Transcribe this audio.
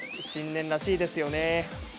新年らしいですよね。